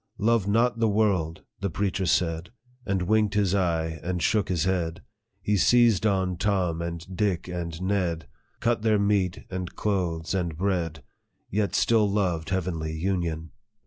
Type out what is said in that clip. ' Love not the world,' the preacher said, And winked his eye, and shook his head ; He seized on Tom, and Dick, and Ned, Cut short their meat, and clothes, and bread, Yet still loved heavenly union.